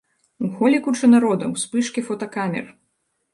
У холе куча народа, успышкі фотакамер.